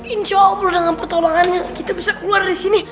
insya allah dengan pertolongannya kita bisa keluar dari sini